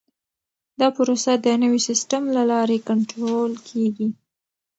دا پروسه د نوي سیسټم له لارې کنټرول کیږي.